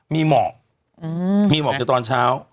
มีเหมาะมีเหมาะจากตอนเช้า